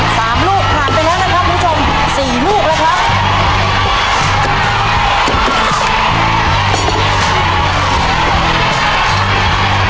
สามลูกผ่านไปแล้วนะครับคุณผู้ชมสี่ลูกแล้วครับ